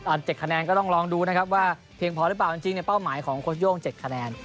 อัน๗คะแนนก็ต้องลองดูนะครับว่าเพียงพอหรือเปล่าจริงเป้าหมายของโค้ชโย่ง๗คะแนน